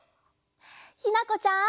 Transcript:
ひなこちゃん。